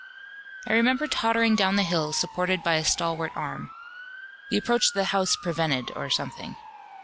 I remember tottering down the hill, supported by a stalwart arm. The approach to the house prevented or something.